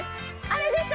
あれです！